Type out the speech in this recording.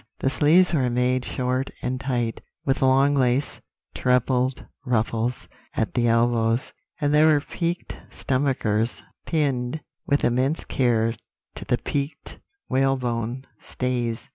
The sleeves were made short and tight, with long lace trebled ruffles at the elbows; and there were peaked stomachers pinned with immense care to the peaked whalebone stays.